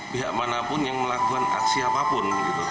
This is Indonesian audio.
pihak manapun yang melakukan aksi apapun